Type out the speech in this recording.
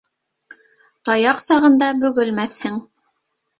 Таяҡ сағында бөгөлмәҫһең.